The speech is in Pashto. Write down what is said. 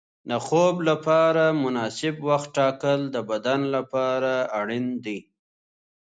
د خوب لپاره مناسب وخت ټاکل د بدن لپاره اړین دي.